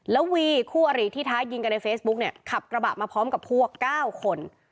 แล้ววีคู่อริที่ท้ายิงกันในเฟซบุ๊กเนี่ยขับกระบะมาพร้อมกับพวก๙คน